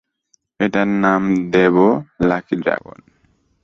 এটার নাম দেব লাকি ড্রাগন।